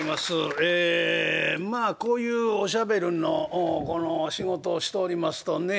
えまあこういうおしゃべりのこの仕事をしておりますとね